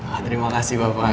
wah terima kasih pak pak